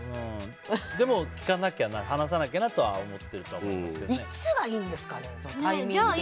でも、聞かなきゃな話さなきゃなとは思ってるといつがいいんですかね。